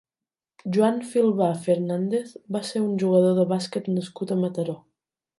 Joan Filbà Fernández va ser un jugador de bàsquet nascut a Mataró.